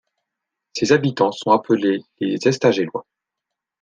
Ses habitants sont appelés les Estagellois.